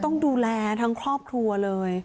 ต้องดูแลทั้งครอบครัวเลย